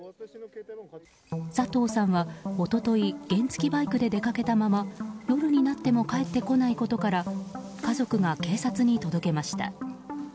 佐藤さんは一昨日原付きバイクで出かけたまま夜になっても帰ってこないことから家族が警察に届けました。